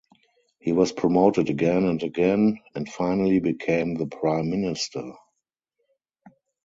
He was promoted again and again, and finally became the prime minister.